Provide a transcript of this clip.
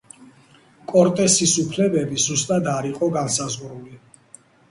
კორტესის უფლებები ზუსტად არ იყო განსაზღვრული.